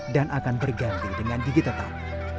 dan akan berganti dengan gigi tetap